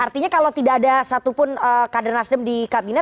artinya kalau tidak ada satupun kader nasdem di kabinet